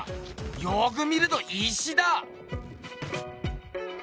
よく見ると石だ！